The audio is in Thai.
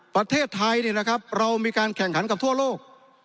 ประเทศไทยเรามีการแข่งขันกับทั่วโลก